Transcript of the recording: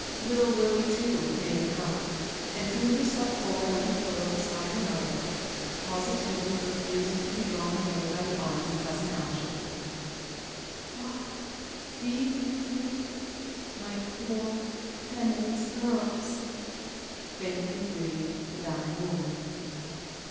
Little Lilly, too, made aery, and threw herself forward on the pillow beside her mother, positively refusing to be drawn away by the arm of cousin Algin, " God be with you, my poor, penniless girls 1 " faintly breathed the dying woman.